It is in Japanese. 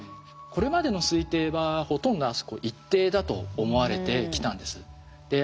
これまでの推定はほとんどあそこ一定だと思われてきたんです。